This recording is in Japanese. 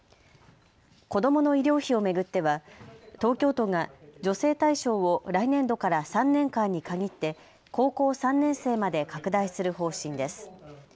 子どもの医療費を巡っては東京都が助成対象を来年度から３年間に限って高校３年生まで拡大する方針です。